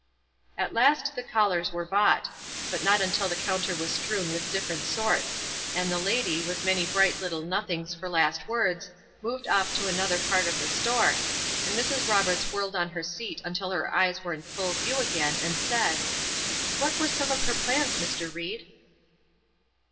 At last the collars were bought, but not until the counter was strewn with different sorts; and the lady, with many bright little nothings for last words, moved off to another part of the store, and Mrs. Roberts whirled on her seat until her eyes were in full view again, and said: "What were some of her plans, Mr. Ried?"